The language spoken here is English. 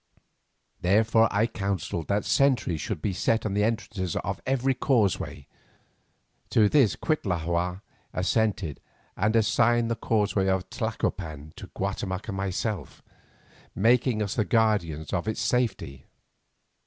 Therefore I counselled that sentries should be set at all the entrances to every causeway. To this Cuitlahua assented, and assigned the causeway of Tlacopan to Guatemoc and myself, making us the guardians of its safety.